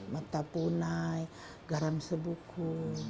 mata punai garam sebuku